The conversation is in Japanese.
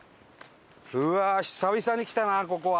うわー久々に来たなここは。